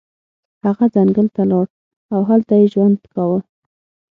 هغه ځنګل ته لاړ او هلته یې ژوند کاوه.